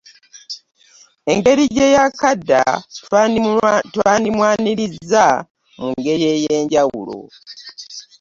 Engeri gye yaakadda twandimwanirizza mu ngeri ey'enjawulo.